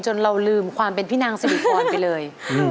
จนเราลืมความเป็นพี่นางสะดิบฝนไปเลย